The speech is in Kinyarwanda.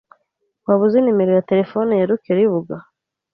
Waba uzi nimero ya terefone ya Rukeribuga?